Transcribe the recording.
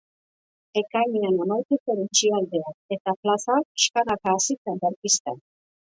Ekainean amaitu zen itxialdia, eta plaza pixkanaka hasi zen berpizten.